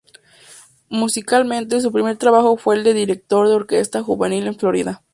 Musicalmente, su primer trabajo fue el de director de orquesta juvenil en Florida.